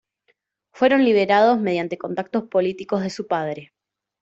Fueron liberados mediante contactos políticos de su padre.